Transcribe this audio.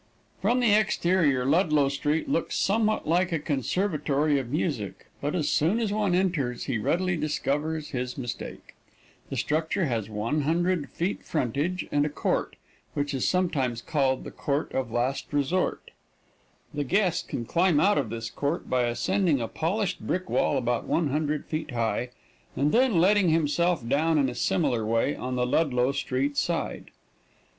From the exterior Ludlow Street Jail looks somewhat like a conservatory of music, but as soon as one enters he readily discovers his mistake. The structure has 100 feet frontage, and a court, which is sometimes called the court of last resort. The guest can climb out of this court by ascending a polished brick wall about 100 feet high, and then letting himself down in a similar way on the Ludlow street side.